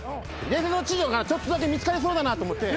伝説の痴女がちょっとだけ見つかりそうだなと思って。